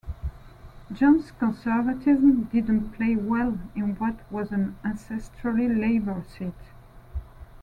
Jones' conservatism didn't play well in what was an ancestrally Labor seat.